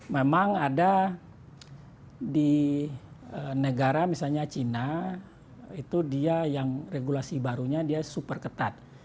memang ada di negara misalnya cina itu dia yang regulasi barunya dia super ketat